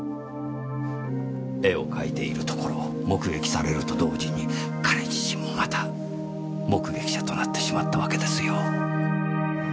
絵を描いているところを目撃されると同時に彼自身もまた目撃者となってしまったわけですよ。